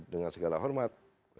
dengan segala hormat